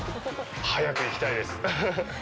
早く行きたいです。